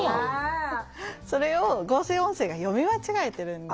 それを合成音声が読み間違えてるんです。